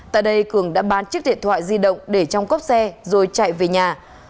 tại đây cường đã bán chiếc điện thoại di động để trong cốc xe rồi chạy về nhà